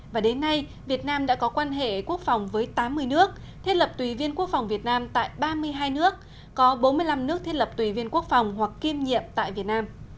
và đến nay việt nam đã có quan hệ quốc phòng với tám mươi nước thiết lập tùy viên quốc phòng việt nam tại ba mươi hai nước có bốn mươi năm nước thiết lập tùy viên quốc phòng hoặc kiêm nhiệm tại việt nam